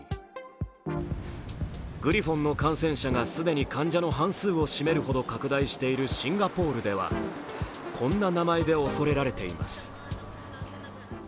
グリフォンの感染者が既に患者の半数を占めるほど拡大しているシンガポールではこんな名前で恐れられています。